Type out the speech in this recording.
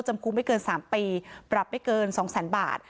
ไม่เกิน๓ปีปรับไม่เกิน๒แสนบาท